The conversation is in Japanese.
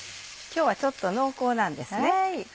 今日はちょっと濃厚なんですね。